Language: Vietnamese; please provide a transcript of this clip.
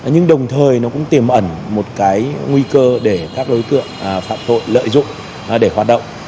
nhưng đồng thời nó cũng tiềm ẩn một cái nguy cơ để các đối tượng phạm tội lợi dụng để hoạt động